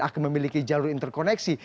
akan memiliki jalur interkoneksi